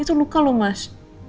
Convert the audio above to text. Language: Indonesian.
itu luka loh mas